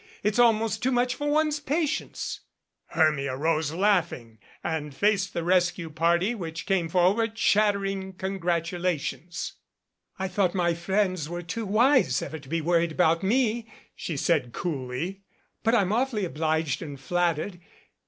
It is almost too much for one's pa tience !" Hermia rose laughing, and faced the rescue party which came forward chattering congratulations. "I thought my friends were too wise ever to be worried about me" she said coolly. "But I'm awfully obliged and flattered.